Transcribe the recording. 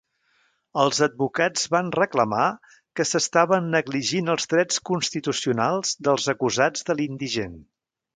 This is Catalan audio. Els advocats van reclamar que s'estaven negligint els drets constitucionals dels acusats de l'indigent.